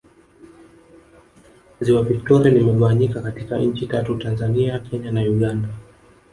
Ziwa Victoria limegawanyika katika Nchi tatu Tanzania Kenya na Uganda